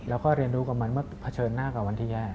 แล้วก็เรียนรู้กับมันเมื่อเผชิญหน้ากับวันที่แย่